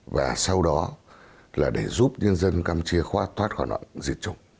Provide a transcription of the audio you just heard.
và sau đó là để giúp nhân dân campuchia khoát thoát khỏi nạn diệt chủng